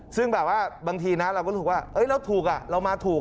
ซึ่งแบบว่าบางทีนะเราก็ถูกว่าเอ๊ะเราถูกอ่ะเรามาถูกอ่ะ